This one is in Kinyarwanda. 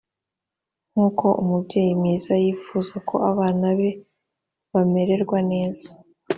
nk uko umubyeyi mwiza yifuza ko abana be bamererwa neza